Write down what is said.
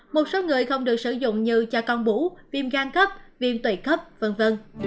một số người không được sử dụng như cho con bú viêm gan cấp viêm tủy cấp v v